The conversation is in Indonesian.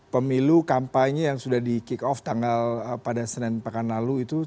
pemilu kampanye yang sudah di kick off tanggal pada senin pekan lalu itu